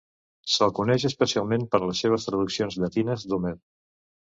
Se'l coneix especialment per les seves traduccions llatines d'Homer.